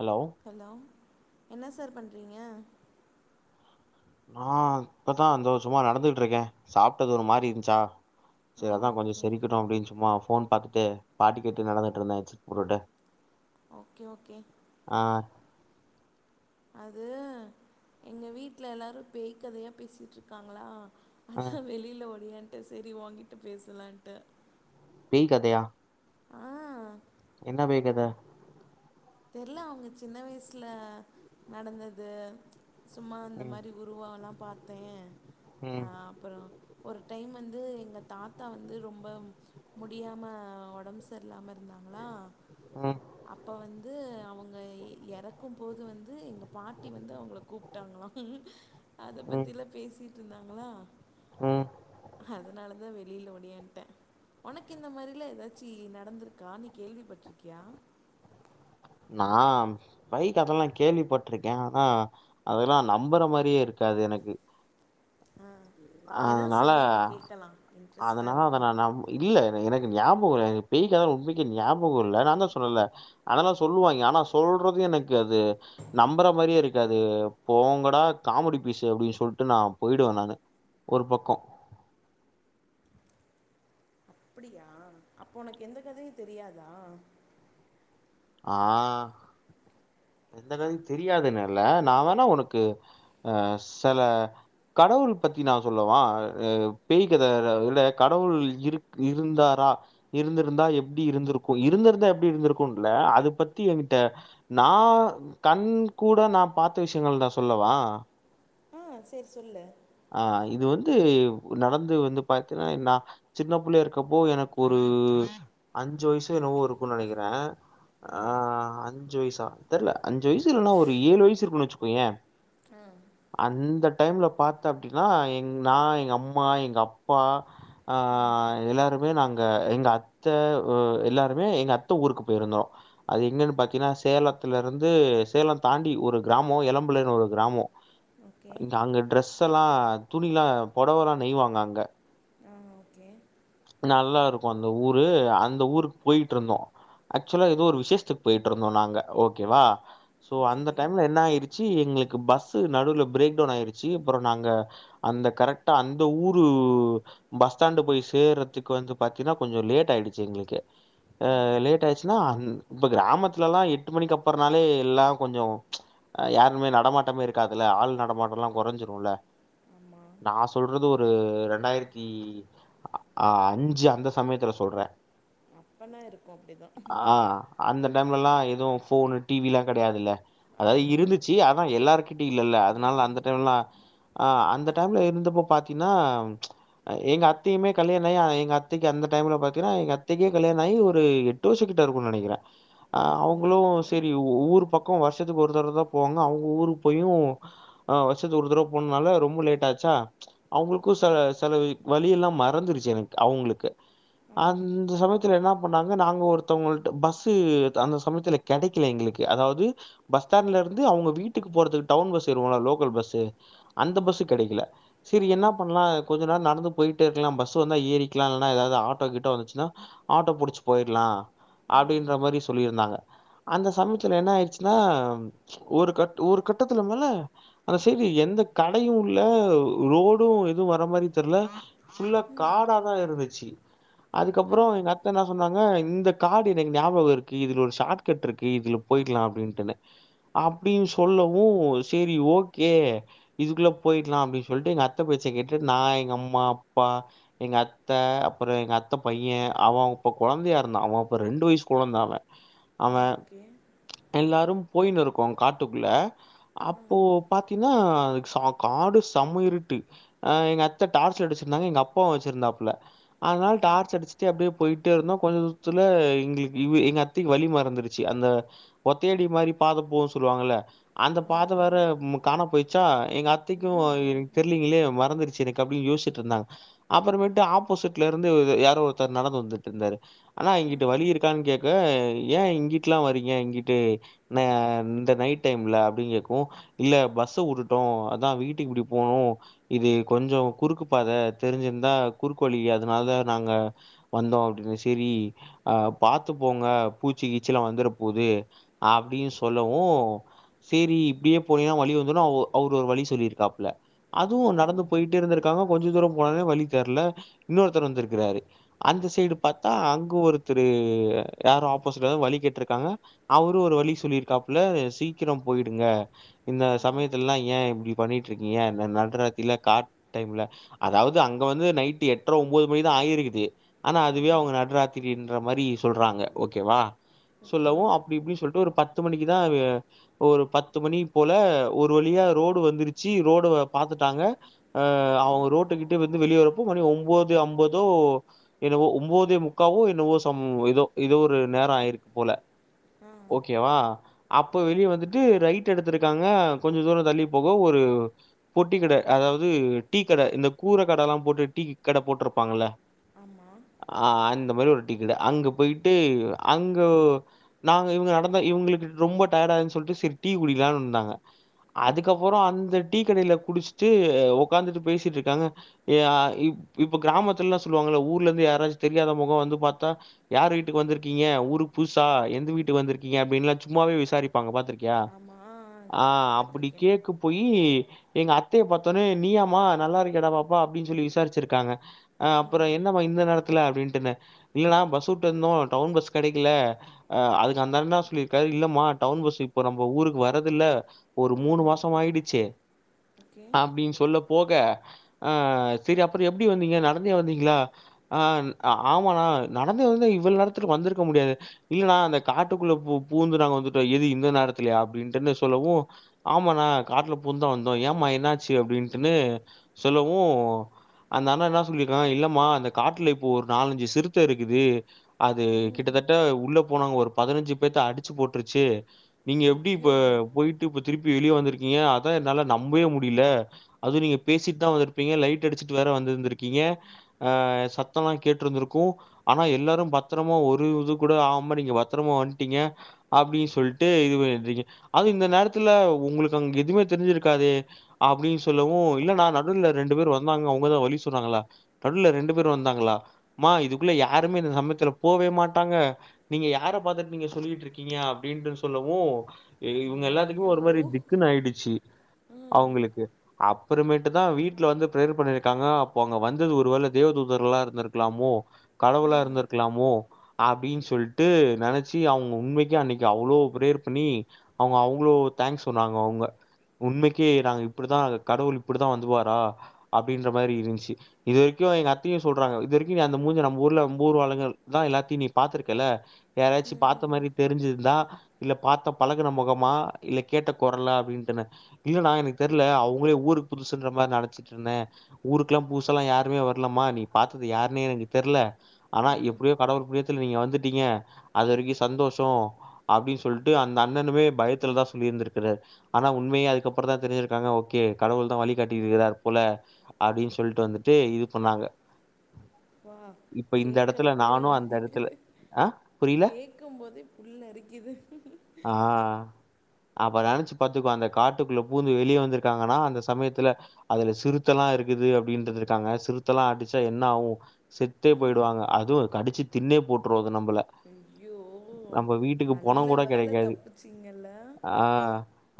Hello hello என்ன sir பண்ணுறீங்க நா இப்பதா அந்த சும்மா நடந்துட்டு இருக்கே சாப்பிட்டது ஒரு மாரி இருந்துச்சா செரி அதா கொஞ்ச ஓகே செறிக்கட்டு அப்டின்னு சும்மா ஃபோன் பாத்துட்டு பாட்டு கேட்டு நடந்துட்டு இருந்தேச்சு [unintelligible] ஓகே ஓகே ஆ அது எங்க வீட்டுல எல்லாரு பேய கதையா பேசிட்டு இருக்காங்களா ஆ அதா வெளியில ஓடியாண்ட்ட செரி ஒகிட்ட பேசலான்ட்டு பேய் கதையா ஆ என்ன பேய் கதை தெரல அவங்க சின்ன வயசுல நடந்தது சும்மா இந்த ம் மாதிரி உருவோ எல்லா பாத்தே ஆ ம் அப்புறோ ஒரு டைம் வந்து எங்க தாத்தா வந்து ரொம்ப முடியாம ஒடம்ஸ் சர்லாம இருந்தாங்களா ம் அப்ப வந் வந்து அவங்க எறக்கும் போது வந்து எங்க பாட்டி வந்து அவங்கள கூப்பிட்டாங்களா அத ம் பத்திலா பேசிட்டு இருந்தாங்களா ம் அதனால தா வெளியில ஓடியான்ட்டே உனக்கு இந்த மாதிரிலா ஏதாச்சூ நடந்தருக்கா நீ கேள்விப் பட்டுறிருக்கியா நா பெய்க் கதெல்லா கேள்விப்பட்டிருக்கே ஆனா அதெல்லா நம்பற மாரியே இருக்காது எனக்கு ஆ ஏதாவது அதனால சொல்லேன் கேட்கலாம் இன்ட்ரெஸ்ட்டா அதனால அத இருக்கும் நா நம்பு இல்ல என எனக்கு ஞாப்பகே வரோ எனக் பேய் கதெ உம்மைக்கு ஞாபகம் இல்ல நா தா சொன்னேல்ல அதனால சொல்லுவாங்க ஆனா சொல்றது எனக்கு அது நம்பற மாரியே இருக்காது போங்கடா காமெடி பீஸு அப்டின்னு சொல்லிட்டு நா போயிடுவே நானு ஒரு பக்கோ அப்படியா அப்போ உனக்கு எந்த கதையூ தெரியாதா ஆ எந்த கதயூ தெரியாதுன்னுல்ல நா வேணா உனக்கு அ செல கடவுள் பத்தி நா சொல்லுவா அ பேய்கதல கடவுள் இருக் இருந்தாரா இருந்திருந்தா எப்டி இருந்திருக்கூ இருந்திருந்தா எப்டி இருந்திருக்கும்ல்ல அத பத்தி எங்கிட்ட நா கண் கூட நா பார்த்த விஷயங்கள் நா சொல்லவா ஆ செர் சொல்லு ஆ இது வந்து நடந்து வந்து பாத்தீன்னா நா சின்ன புள்ளய இருக்கப்போ எனக்கு ஒரு அஞ்சு வயசு என்னவோ இருக்கோ நெனைக்கிறே ஆ அஞ்சு வயசா தெர்ல அஞ்சு வயச தெர்ல இல்லன்னா ஒரு ஏழு வயசு இருக்கோன்னு வச்சுக்கெயோ அ அந்த டைம்ல பாத்த அப்டின்னா எங் நா எங் அம்மா எங் அப்பா ஆ எல்லாருமே நாங்க எங்க அக் ச்செ ஊ எல்லாருமே எங்க அத்த ஊருக்கு போயிருந்தோ அது எங்கன்னு பாத்தீன்னா சேலத்துல இருந்து சேலம் தாண்டி ஒரு கிராமோ எளம்புள்ளன்னு ஒரு கிராமோ ஓகே அங்க ட்ரெஸ்ல்லா துணிலா புடவல்லா நெய்வாங்க அங்க ஆ ஓகே நல்லா இருக்கே அந்த ஊரு அந்த ஊருக்கு போயிட்டு இருந்தோ ஆக்சுவலா ஏதோ ஒரு விசேஷத்துக்கு போயிட்டு இருந்தோ நாங்க ஓகேவா சோ ம், அந்த சரி டைம்ல என்ன ஆயிருச் ச்சி எங்களுக்கு பஸ்சு நடுவுல பிரேக் டவுன் ஆயிருச்சு அப்புறம் நாங்க அந்த கரெக்டா அந்த ஊரு பஸ் ஸ்டேண்ட் போயி சேர்றதுக்கு வந்து பாத்தீன்னா கொஞ்சொ லேட் ஆயிடுச்சு எங்களுக்கு அ ஆ லேட் ஆயிச் ஆனோ அந் இப்ப கிராமத்துலலா எட்டு மணிக்கு அப்பற்னாலே எல்லா கொஞ்சொ அ யாருமே நடமாட்டமே இருக்காதுல்ல ஆள் நடமாட்டம்லா கெறைஞ்சிரும்ல்ல ஆமா நான் சொல்றது ஒரு ரெண்டாயிரத்தி ஆ அஞ்சு அந்த சமயத்துல சொல்றே அப்பனா இருக்கோ அப்டிதா ஆ அந்த டைம்லல்லா எதுவூ போனு டிவில்லா கிடையாதில்ல அதாவது ஆமா இருந்துச்சு அனா எல்லார்க் கிட்டயூ இல்லில்ல ஆ அதனால அந்த டைம்லா அ அந்த டைம்ல இருந்தப்போ பாத்தீங்ன்னா எ எங்க அத்தயுமே கல்யாண ஆகி எங்க அத்திக்கு அந்த டைம்ல பாத்தீங்ன்னா எங்க அத்தைக்கே கல்யாண ஆகி ஒரு எட்டு வருஷெ கிட்ட ‌இருக்கோ நெனைக்கிறெ அ ஓ அவுங்களு ஓகே செரி ஊர் பக்கொ வர்ஷத்துக்கு ஒருத்தரவதா போவாங்க அவுங்க ஊருக்கு போயு வ வருசத்து ஒரு தடவை போனன்னால ரொம்ப லேட் ஆச்சா அவங்களுக்கு ஓகே சல சல வழி எல்லாம் ம மறந்துருச்சு எனக் அவுங்ளுக்கு ஆ அந் சமயத்துல என்னா பண்ணாங்க நாங்க ஒருத்தவங்கள்ட்ட பஸ்ஸு அந்த சமயத்துலக் கெடைக்கல எங்களுக்கு அதாவ்து பஸ் ஸ்டாண்ட்லருந்து அவுங்க வீட்டுக்கு போறதுக்கு டவுன் பஸ் வருவொல்ல லோக்கல் பஸ்ஸு அந்த ஆமா பஸ் கெடைக்குல சரி ஆ என்னாப்பண்லா கொஞ்சொ நேரொ நடந்து பொய்ட்டேருக்கலா பஸ் சோ இந்தா ஏரிக்லா இல்னா எதாவ்து ஆட்டோ கிட்ட வந்துச்சுன்னா ஆட்டோ புடிச்சு பொய்ட்லா ம் அப்படின்ற மாரி சொல்ருந்தாங்க அந்த சமயத்துல என்னாயிடுச்சுன்னா ஒரு கட் ஒரு கட்டத்துல மேல அந்த செய்டு எந்த கடையு இல்ல உள்ள ரோடு எதுவு வர மாரி தெர்ல ஃபுல்லா ம் காடாதா இருந்துச்சு ஆ அதுக்கப்பற எங்க அத்த என்னா சொன்னாங்க இந்த காடு எனக் ஞாபகொ இருக்கு இதுல ஒரு ஷாக் கட்ருக்கு இதுல போய்ட்லா அப்டின்ட்டுன்னு அப்டின் சொல்லவு செரி ஓக்கே இதுக்குள்ள போயிட்லா அப்டி சொல்ட்டு எங்க அத்த பேச்ச கேட்டு நா எங்க அம்மா அப்பா எங்க அத்த அப்பற எங்க அத்தை பைய அவன் அப்ப கொழந்தையா இருந்தா அவன் அப்ப ரெண்டு வய்சு கொழந்த அவெ அவ ஓகே எல்லாரும் போய்னுருக்கோ காட்டுக்குள்ள ஆ அப்போ பாத்தீன்னா ச காடு செமயிருட்டு அ எங்க அத்த டார்ச் லைட் வச்சிருந்தாங்க எங்க அப்பாவு வச்சிருந்தாப்புல ஆ அனால் டார்ச் அடிச்சுட்டு அப்டே பொய்ட்டேருந்தோ கொஞ் தூரத்துல எங்களுக்கு இங் எங்க திக்கு வலி மறந்துருச்சு அந்த ஒத்தையடி மாரி பாத போசொல்லுவாங்கல்ல அந்த பாத ஆமா வேற ப் காணா போய்ட்ச்சா எங்க அத்தைக்கு ஐயையோ தெரிய்லீங்களே மறந்துற்ச்சு எனக்கு கப்ளியோசிட்ருந்தாங்க அப்பறமேட்டு ஆப்போசிட்ல இருந்து இது யாரோ ஒருத்தர் நடந்து வந்துட்டுருந்தாரு ஆனா ஆ இங்குட்டு வழி இருக்கான் கேட்க ஏ இங்குட்டுலா வரீங்க இங்கிட்டு ந இந்த நைட் டைம்ல அப்டினு கேக்கு இல்ல பஸ்ஸவுட்டுட்டோ அதா வீட்டுக்கு இப்டிபோனு இது கொஞ்சொ குறுக்கு பாத தெரிஞ்சிருந்தா குறுக்கு வழி அதுனால நாங்க வந்தோ அப்டின் செரி பாத்துபோங்க பூச்சிகீச்சில்லா வந்துரபோது அப்டீ சொல்லவு சிரி இப்டியே போனீன்னா வழி வந்தறு அவ அவர்ஒரு வழி சொல்லிருக்காப்புல அதுவு ஓகே நடந்து போயிட்டே இருந்திருக்காங்க கொஞ்ச தூரொ போனன்னே வழி தெர்ல இன்னொருத்தர் வந்திருக்கிறாரு அந்த சேடு பாத்தா அங்க ஒருத்தர் யாரு ஆப்போசிட்ட வழி கேட்டுருக்காங்க அவரு ஒரு வழி சொல்லிருக்காப்ல சீக்கிரபொயிடுங்க இந்த ம் சமயத்துலல்லா ஏ இப்டி பண்ணிட்டுருக்கீங்க நட்ராத்தில காட்டைம்ல அதாவ்து அங் க வந்து நைட் எட்ர ஒம்போது மணிதா ஆயிருக்குது ஆனா ஆ அதுவே அவுங்க நடுராத்தி அப்பின்ற மாரி சொல்றாங்க ஓக்கேவா ஓகே சொல்லவு அப்டி இப்டி சொல்ட்டு ஒரு பத்து மணிக்குதா ஒரு பத்து மணி போல ஒரு வழியா ரோடு வந்துருச்சு ரோடு பாத்துட்டாங்க அ ஓகே அவுங்க ரோட்டுக்கிட்ட வந்து வெளியெரப்போ மணி ஒம்போது அம்பதோ என்னவோ ஒம்பதே முக்காவோ என்னவோ சம் எதோ இதோ ஒரு நேரஆயிருக்போல ஆ ஓக்கேவா அப்ப வெளியே வந்துட்டு ரைட் எடுத்துருக்காங்க கொஞ்சொ தூர தள்ளி போக ஒரு பொட்டிகட அதாவ்து டீ கட இந்த கூரகடல்லா போட்டு டீ கடை போட்ருப்பாங்கல்ல ஆம்மா ஆஹ் அந்த மாரி ஒரு டிக்கெட்டு அங்க போயிட்டு அங்க நாங்க இவங்க நடந்தா இவுங்களுக்கு ரொம்ப டயர்ட ஆகுதுன்னு சொல்லிட்டு செரி டீ குடிலானு இருந்தாங்க ஆ அதுக்கப்புறோம் அந்த டீ கடையில குடிச்சுட்டு உக்காந்துட்டு பேசிட்டு இருக்காங்க ய ப் இப்ப கிராமத்துல எல்லாம் சொல்லுவாங்கள ஊர்ல இருந்து யாராச்சும் தெரியாத முகோம் வந்து பாத்தா யார் வீட்டுக்கு வந்திருக்கீங்க ஊருக்கு புதுசா எந்த வீட்டுக்கு வந்துருக்கீங்க அப்டின்னுல்லாம் சும்மாவே விசாரிப்பாங்க பாத்திர் ஆ அப்பிடி பார்த்துருக்கேன் தேக்கும் போய்யி எங்க அத்தைய பாத்தோனே நீயாமா நல்லா இருக்கியாடா பாப்பா அப்டின்னு சொல்லி விசாரிச்சிருக்காங்க அ ஆ அப்புறோம் என்னம்மா இந்த நேத்துல அப்டின்டுனு இல்லன்னா பஸ் வுட்டு இருந்தோம் டவுன் பஸ் கெடைக்கல அ அதுக்கு அந்த அண்ணா சொல்லிருக்காரு இல்லமா டவுன் பஸ்ஸூ இப்ப நம்ம ஊருக்கு வரது இல்ல ஒரு ஆ மூணு மாசோம் ஆய்டுச்சு ஓகே அப்டின்னு சொல்ல போக ஆ சேரி அப்புறோ எப்டி வந்தீங்க நடந்தே வந்தீங்களா ஆ ஆமாண்ணா நடந்து வந்தா இவ்வள நேரத்துல வந்துருக்க முடியாது இல்லனா அந்த காட்டுக்குள்ள பூ பூந்து நாங்க வந்துட்டோம் எது இந்த நேரத்துலயா அப்டின்ட்டுன்னு சொல்லவும் ஆமாணா காட்ல பூந்தா வந்தோம் ஏமா என்னாச்சு அப்டின்ட்டுன்னு சொல்லவும் அந்த அண்ணா என்ன சொல்லிருக்காங்க இல்லம்மா அந்த காட்ல இப்போ ஒரு நாலஞ்சு சிறுத்த இருக்குது அது ம் கிட்டத்தட்ட உள்ள போனவங்க ஒரு பதினஞ்சு பேத்த அடிச்சு போட்ருச்சு நீங்க எப்டி இப்ப ஐயோ போயி ட்டு இப்ப திருப்பி வெளிய வந்திருக்கீங்க அத என்னால நம்பவே முடில அதும் நீங்க பேசிட்டு தான் வந்திருப்பீங்க லைட் அடிச்சுட்டு வேற வந்திருக்கீங்க ஆ சத்தோலாம் கேட்ருந்திருக்கும் என ஆனா எல்லாரும் பத்தரமா ஒரு இது கூட ஆகாம நீங்க பத்திரமா வந்துட்டீங்க அப்டி சொல்ட்டு இதுவே எந்திருக்க அது இந்த நேரத்துல உங்களுக்கு அங்க எதுமே தெரிஞ்சிருக்காதே அப்டின்னு சொல்லவு இல்ல நா நடுல்ல ரெண்டு பேரு வந்தாங்க அவுங்கதான் வழி சொன்னாங்க நடுல்ல ரெண்டு பேர் வந்தாங்களா மா இதுக்குள்ள யாருமே இந்த சமயத்துல போவே மாட்டாங்க நீங்க யார பாத்துட்டு நீங்க சொல்லிட்டு இருக்கீங்க அப்டின்ட்டு சொல்லவும் இவுங்க எல்லாத்துக்குமே ஐயோ ஒரு மாரி திக்குனு ஆயிடுச்சு ஆ அவுங்ளுக்கு அப்றமேட்டு அப்ப தான் வீட்ல வந்து பிரேயர் பண்ணிருக்காங்க அப்போ அங்க வந்தது ஒரு வேல தேவ தூதர்களாக இருந்திருக்கலாமோ ஆ கடவுளா இருந்துருக்கலாமோ அப்டின்னு சொல்ட்டு நெனச்சு அவுங்க உண்மைக்கும் அன்னைக்கு அவ்ளோ பிரேயர் பண்ணி அவுங்க அவ்ளோ தேங்க்ஸ் சொல்னாங்க அவுங்க உண்மைக்கே நாங்க இப்டிதா கடவுள் இப்டிதா வந்துவாரா அப்டின்ற மாரி இருந்துச்சு இது வரைக்கும் எங்க அத்தையும் சொல்றாங்க இது வரைக்கும் நீ அந்த மூஞ்ச நம்ம ஊர்ல நம்மூராளுங்கள் தான் எல்லாத்தியும் நீ பாத்துருக்கல்ல யாராச்சு ம் பாத்த ம் மாரி தெரிஞ்சிருந்தா இல்ல பாத்த பழகுன மொகமா இல்ல கேட்ட கொரலா அப்டின்ட்டுனு இல்லனா எனக்கு தெர்ல அவுங்களே ஊருக்கு புதுசுன்ற மாரி நெனச்சிட்டு இருந்தன் ஊருக்குல்லாம் புதுசால்லா யாருமே வரலமா நீ பாத்தது யாருன்னே எனக்கு தெர்ல ஆனா ம் எப்டியோ கடவுள் புண்யத்துல நீங்க வந்துட்டீங்க அது வரைக்கு சந்தோஷோ அப்டி சொல்ட்டு அந்த அண்ணனுமே பயத்துலதான் சொல்லிருந்திருக்காரு ஆனா உண்மயே அதுக்கப்றோதான் தெரிசிருக்காங்க ஓக்கே கடவுள் தான் வழிகட்டிருக்காரு போல அப்டின் சொல்ட்டு வந்துட்டு இது பண்ணாங்க ப்பா இப்ப இந்த இடத்துல கேக்குறப்பயே நானும் அந்த இடத்துல ஆ புரியல? கேட்கும்மோதே புல்லரிக்குது ஆ அப்ப நெனச்சு பாத்துக்கோ அந்த காட்டுக்குள்ள பூந்து வெளிய வந்துருக்காங்கன்னா அந்த சமயத்துல அதுல சிறுத்தெல்லாம் இருக்குது அப்டின்ட்ருந்துருகாங்க சிறுத்தலா அடிச்சா என்ன ஆவும் செத்தே போயிடுவாங்க அதுவு கடிச்சு திண்ணே போட்ரு அது நம்பள ஐய்யோ நம்ம வீட்டுக்கு நல்ல பொணம் கூட வேல கிடைக்காது. தப்பிச்சிங்கல்ல ஆ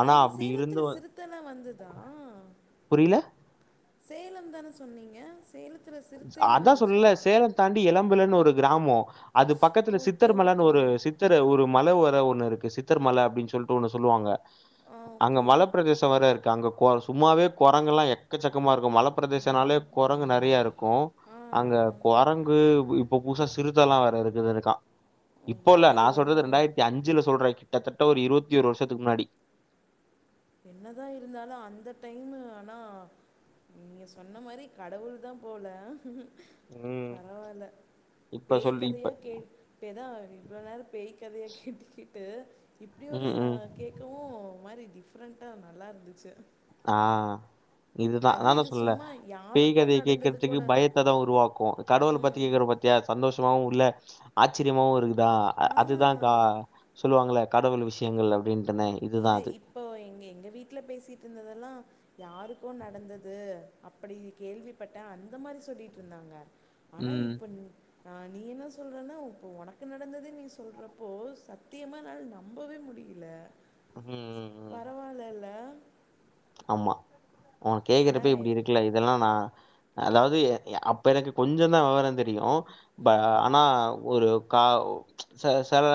ஆனா இன்னும் அப்படி சேலத்துல இருந்தும் சிறுத்தலா வந்துதா புரியல சேலம் தான சொன்னீங்க சேலத்துல சிறுத்தயேலா அதா வந்துச்சா சொல்ல சேலம் தாண்டி இளம்பிள்ளனு ஒரு கிராமோ அது பக்கத்தில ஓகே சித்தர்மலனு ஓகே ஒரு சித் சித்திரு ஒரு மல வர ஒன்னு இருக்கு சித்தர் மல அப்டின்னு சொல்ட்டு ஒன்னு சொல்லுவாங்க ஆ அங்க ஓகே மலப்பிரதேசோ வர இ க்கு அங்க சும்மாவே கொரங்கு எல்லா எக்கச்சக்கமா இருக்கு மல பிரதேசோனாலே கொரங்கு நெறயா இருக்கும் ஆ அங்க ஆ. கொரங்கு இப்போ புதுசா சிறுத்தல்லா வேர இருக்குதுக்கா இப்போ இல்ல நா ஐயோ சொல்றது ரெண்டாயிரத்தி அஞ்சுல சொல்ற இது கிட்டத்தட்ட ஒரு இருவத்தியொரு வருஷத்துக்கு முன்னாடி என்னதான் இருந்தாலும் அந்த டைமு ஆனா நீங்க சொன்ன மாறி கடவுள் தான் போல ம் பரவால்ல இப்ப பேய் சொல்லி இப்ப கதையா கே இப்டியேதான் இவ்ளோ நேரம் பேய் கதையை கேட்டுக்கேட்டு இப்படி ஒரு ம் ச ம் கேட்கவும் மாறி டிஃப்ரெண்ட்டா நல்லா இருந்திச்சி ஆ இதுதான் இது நானும் சொல்ல சும்மா பேய் யாருக்கு கதைய நடந்தது கேட்கறதுக்கு கூட பயத் தான் உருவாக்குவோம் கடவுள் பத்தி ம் கேக்குற பாத்தியா சந்தோஷமாவும் உள்ள ஆச்சரியமாவும் இருக்கு தா ஆ அதுதான் அக்கா சொல்லுவாங்களே கடவுள் விசயங்கள் அப்படின்ட்டுன்னு இது இப்போ எங்க எங்க வீட்டுல பேசிட்டு இருந்ததெல்லாம் யாருக்கோ நடந்தது அப்படி கேள்விப்பட்டேன் அந்த மாறி சொல்லிட்டு இருந்தாங்க ஆனா ம். இப்ப நீ நான் நீ என்ன சொல்கிறன்னா இப்போ உனக்கு நடந்தத நீ சொல்றப்போ சத்தியமா என்னால நம்பவே முடியல இல்ல ம் ம். பரவாலில்ல ஆமா உனக்கு கேக்குறப்பயே ஆனா இப்படி இருக்கு இல்ல இதெல்லாம் நான் அதாவது அப்ப எனக்கு கொஞ்சம் தான் விவரம் தெரியும் ப ம் ஆனா ஒரு கா ச சல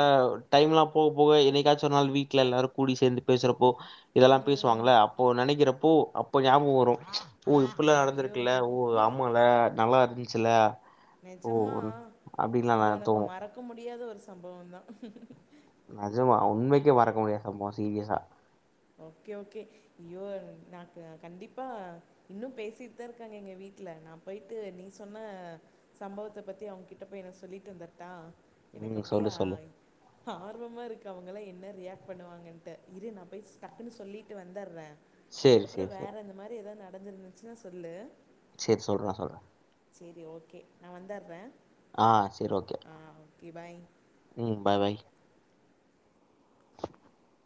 டைம்லா போக போக என்னைக்காச்சு ஒரு நாள் வீட்ல எல்லாரு கூடி சேந்து பேசறப்போ இதெல்லாம் ம் பேசுவாங்கள அப்போ நினைக்கிறப்போ அப்போ ஞாபகம் வரும் ஓ இப்பல்லாம் ஐயோ நடந்திருக்குல்ல ஓ அமால்ல நல்லா இருந்துச்சுல நிஜமா இது உனக்கு தோணும். மறக்க முடியாத ஒரு சம்பவம் தான் நெஜமா உண்மைக்கும் மறக்க முடியாத சம்பவம் சீரியஸா ஓகே ஓகே ஐயோ நாக்கு கண்டிப்பா இன்னும் பேசிட்டு தான் இருக்காங்க எங்க வீட்டுல நா போயிட்டு நீ சொன்ன சம்பவத்த பத்தி அவங்ககிட்ட போய் நா சொல்லிட்டு வந்திரட்டா எனக்கு ம். அப்படியே சொல்லு, சொல்லு. ஆ ஆர்வமா இருக்கு அவங்களாம் என்ன ரியாக்ட் பண்ணுவாங்கன்ட்டு இரு நான் போய் சொ டக்குன்னு சொல்லிட்டு வந்துடுறேன் சரி, அதுக்கப்புறம் சரி, சரி. வேற அந்த மாறி வேற ஏதாவது நடந்துருந்துச்சுன்னா சொல்லு சேரி சொல்றேன் சொல்றேன் சரி ஓகே நான் வந்துற்றேன் ஆ சேரி ஓகே ஆ ஓகே பாய் ம் பாய் பாய் [inaudible]